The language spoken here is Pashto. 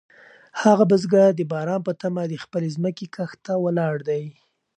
هغه بزګر د باران په تمه د خپلې ځمکې کښت ته ولاړ دی.